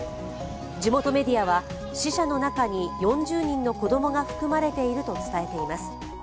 地元メディアは死者の中に４０人の子供が含まれていると伝えています。